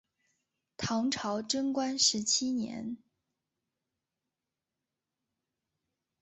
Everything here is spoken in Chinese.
唐朝贞观十七年。